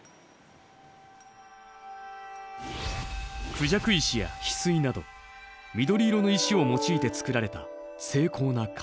孔雀石やヒスイなど緑色の石を用いて作られた精巧な仮面。